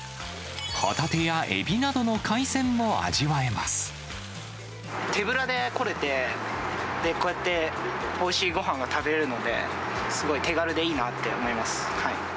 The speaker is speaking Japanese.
ホタテやエビなどの海鮮も味わえ手ぶらで来れて、こうやって、おいしいごはんが食べれるので、すごい手軽でいいなって思います。